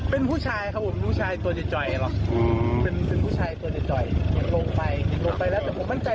เป็นผู้ชายครับผมผู้ชายตัวจ๋อยจ๋อยหรอกเป็นผู้ชายตัวจ๋อยจ๋อย